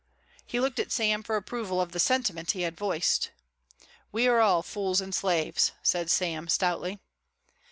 He looked at Sam for approval of the sentiment he had voiced. "We are all fools and slaves," said Sam, stoutly.